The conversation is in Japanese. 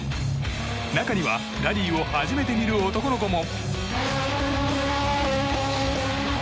中にはラリーを初めて見る男の子も。